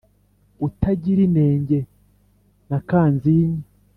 utagira inenge na kanzinya